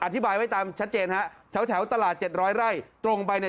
อธิบายไว้ตามชัดเจนฮะแถวแถวตลาดเจ็ดร้อยไร่ตรงไปเนี่ย